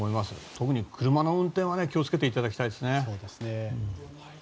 特に車の運転は気を付けていただきたいです。